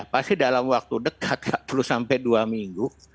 pasti dalam waktu dekat tiga puluh sampai dua minggu